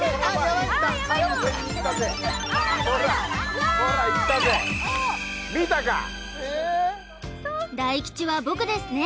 よーい大吉は僕ですね